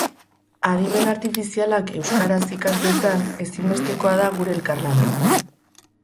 Adimen artifizialak euskaraz ikas dezan, ezinbestekoa da gure elkarlana.